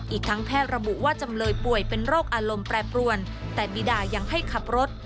อีกทั้งแพทย์ระบุว่าจำเลยป่วยเป็นโรคอารมณ์แปรปรวนแต่บีดายังให้ขับรถ